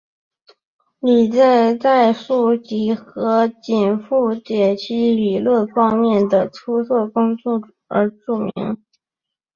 以在代数几何和紧复解析曲面理论方面的出色工作而著名。